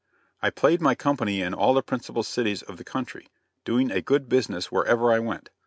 I played my company in all the principal cities of the country, doing a good business wherever I went.